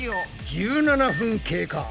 １７分経過。